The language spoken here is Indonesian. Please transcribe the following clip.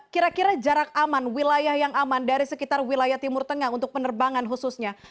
kira kira jarak aman wilayah yang aman dari sekitar wilayah timur tengah untuk penerbangan khususnya